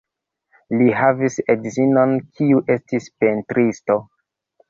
Li havis edzinon, kiu estis pentristo.